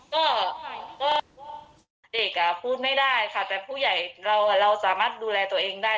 ก็เด็กอ่ะพูดไม่ได้ค่ะแต่ผู้ใหญ่เราสามารถดูแลตัวเองได้